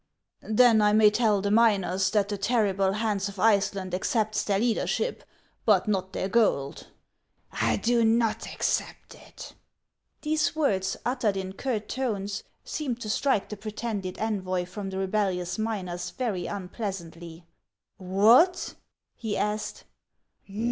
"Then I may tell the miners that the terrible Hans of Iceland accepts their leadership, but not their gold ?"" I do not accept it." 28G HANS OF ICELAND. These words, uttered in curt tones, seemed to strike the pretended envoy i'rom the rebellious miners very unpleasantly. " What ?" he asked.